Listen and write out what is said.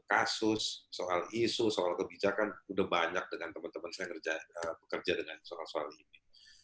kasus soal isu soal kebijakan udah banyak dengan teman teman saya bekerja dengan soal soal ini